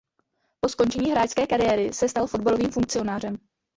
Po skončení hráčské kariéry se stal fotbalovým funkcionářem.